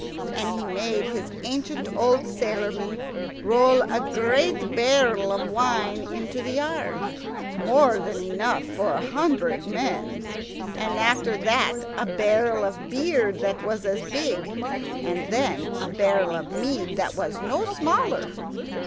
And he made his ancient old sailormen roll a great barrel of wine into the yard, more than enough for a hundred men, and after that a barrel of beer that was as big, and then a barrel of mead that was no smaller.